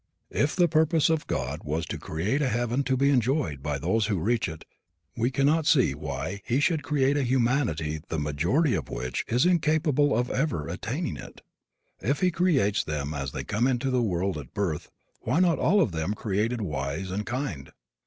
If the purpose of God was to create a heaven to be enjoyed by those who reach it we cannot see why He should create a humanity the majority of which is incapable of ever attaining it. If He creates them as they come into the world at birth why are not all of them created wise and kind?